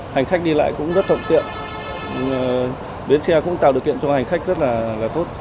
hành khách đi lại cũng rất thuận tiện bến xe cũng tạo điều kiện cho hành khách rất là tốt